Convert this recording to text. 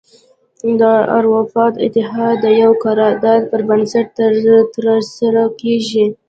د اروپا اتحادیه د یوه قرار داد پر بنسټ تره سره کیږي.